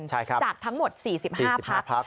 จากทั้งหมด๔๕พัก